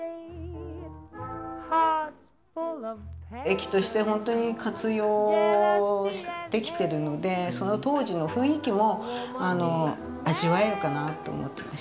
駅として本当に活用できてるのでその当時の雰囲気も味わえるかなと思ってます。